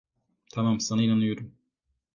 Tamam, sana inanıyorum.